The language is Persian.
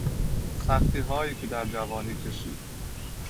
سختی هایی که در جوانی کشید